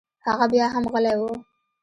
هغه بيا هم غلى و.